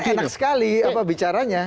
enak sekali apa bicaranya